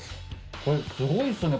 これすごいっすね